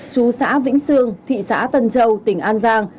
chú xã vĩnh sương thị xã tân châu tỉnh an giang